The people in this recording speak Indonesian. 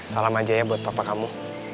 salam aja ya buat bapak kamu